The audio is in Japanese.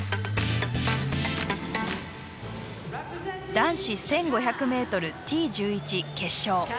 男子１５００ｍ、Ｔ１１決勝。